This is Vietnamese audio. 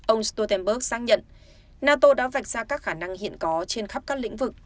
ông stoltenberg xác nhận nato đã vạch ra các khả năng hiện có trên khắp các lĩnh vực